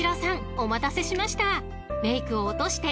お待たせしました］